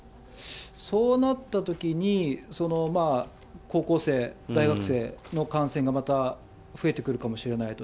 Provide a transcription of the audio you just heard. そうなったときに、高校生、大学生の感染がまた、増えてくるかもしれないと。